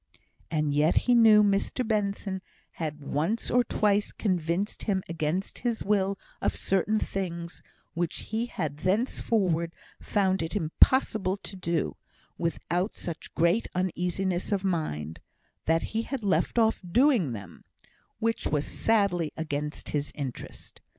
And yet he knew Mr Benson had once or twice convinced him against his will of certain things, which he had thenceforward found it impossible to do, without such great uneasiness of mind, that he had left off doing them, which was sadly against his interest.